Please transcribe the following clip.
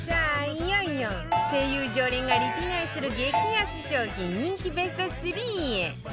いよいよ ＳＥＩＹＵ 常連がリピ買いする激安商品人気ベスト３へ